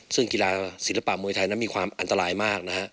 ซึ่งกีฬาศิลปะมวยไทยนั้นมีความอันตรายมากนะฮะ